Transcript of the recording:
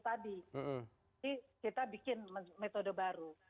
jadi kita bikin metode baru